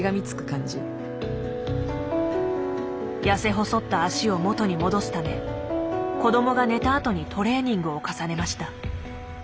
痩せ細った脚を元に戻すため子どもが寝たあとにトレーニングを重ねました。